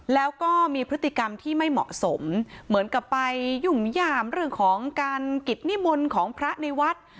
แล้วก็มีพฤติกรรมที่ไม่เหมาะสมเหมือนกับไปยุ่งหยามเรื่องของการกิจนิมนต์ของพระในวัด